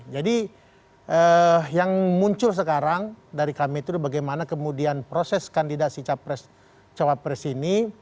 jadi yang muncul sekarang dari kami itu bagaimana kemudian proses kandidasi cawapres ini